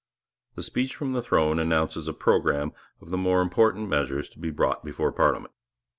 The Speech from the Throne announces a programme of the more important measures to be brought before parliament.